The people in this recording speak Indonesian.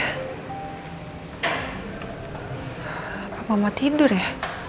apa mama tidur ya